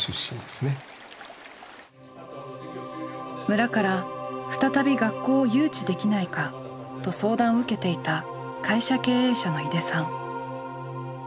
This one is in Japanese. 村から「再び学校を誘致できないか」と相談を受けていた会社経営者の井手さん。